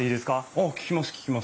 ああ聞きます聞きます。